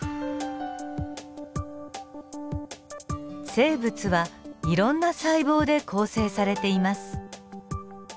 生物はいろんな細胞で構成されています。